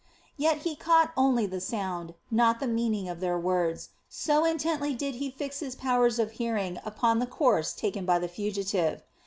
Yet he caught only the sound, not the meaning of their words, so intently did he fix his powers of hearing upon the course taken by the fugitive.